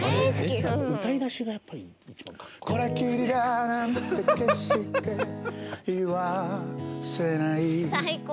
「これっきりだなんて決して言わせない」